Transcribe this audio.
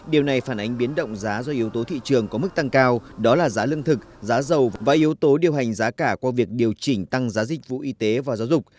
điều này phản ánh biến động giá do yếu tố thị trường có mức tăng cao đó là giá lương thực giá dầu và yếu tố điều hành giá cả qua việc điều chỉnh tăng giá dịch vụ y tế và giáo dục